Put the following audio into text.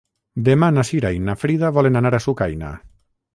Demà na Cira i na Frida volen anar a Sucaina.